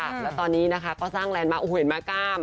แล้วตอนนี้นะคะก็สร้างแลนด์มาโอ้โหเห็นไหมกล้าม